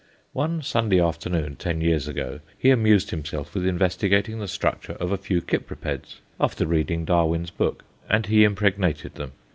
One Sunday afternoon, ten years ago, he amused himself with investigating the structure of a few Cypripeds, after reading Darwin's book; and he impregnated them.